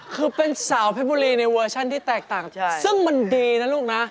คือเป็นสาวเพชรบุรีในเวอร์ชันที่แตกต่างจากซึ่งมันดีนะลูกนะ